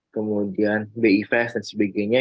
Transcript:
kemudian bifes dan sebagainya